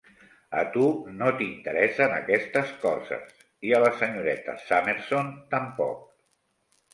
A tu no n'interessen aquestes coses; i a la senyoreta Summerson tampoc.